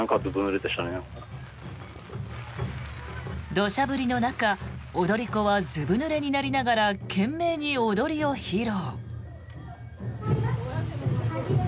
土砂降りの中踊り子はずぶぬれになりながら懸命に踊りを披露。